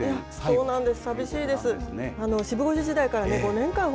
そうなんです。